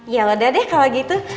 ya udah deh kalau gitu